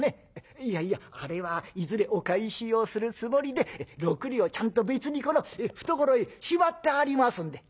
「いやいやあれはいずれお返しをするつもりで６両ちゃんと別にこの懐へしまってありますんで」。